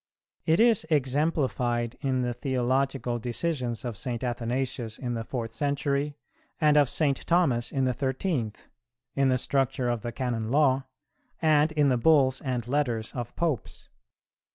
It is exemplified in the theological decisions of St. Athanasius in the fourth century, and of St. Thomas in the thirteenth; in the structure of the Canon Law, and in the Bulls and Letters of Popes.